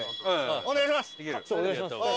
お願いします。